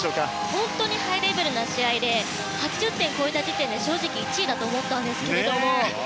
本当にハイレベルな試合で８０点を超えた時点で正直、１位だと思ったんですけれども。